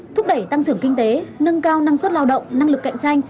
thúc đẩy tăng trưởng kinh tế nâng cao năng suất lao động năng lực cạnh tranh